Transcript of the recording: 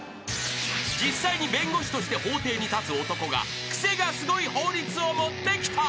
［実際に弁護士として法廷に立つ男がクセがスゴい法律を持ってきた］